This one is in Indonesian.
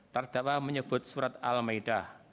terdakwa menyebut surat al maidah